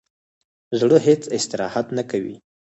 زړه هیڅ استراحت نه کوي.